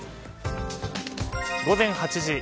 午前８時。